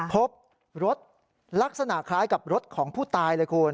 พบรถลักษณะคล้ายกับรถของผู้ตายเลยคุณ